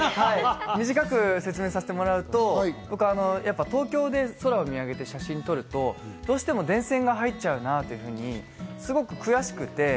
短く説明させてもらうと僕、東京で空を見上げて写真を撮ると、どうしても電線が入っちゃうなぁというふうに、すごく悔しくて。